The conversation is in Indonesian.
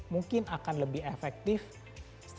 mungkin akan ada yang beragam